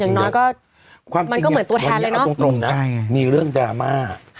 อย่างน้อยก็มันก็เหมือนตัวแทนเลยเนอะตรงตรงน่ะใช่มีเรื่องดราม่าค่ะ